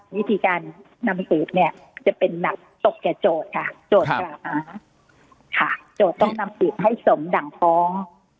วิธีการนำสืบจะเป็นนับตกแก่โจทย์โจทย์ต้องนำสืบให้สมดั่งฟ้อง